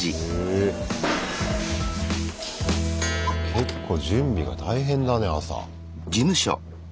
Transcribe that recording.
結構準備が大変だね朝。